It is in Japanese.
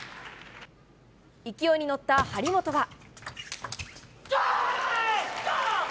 勢いに乗った張本は。